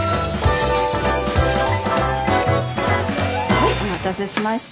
はいお待たせしました。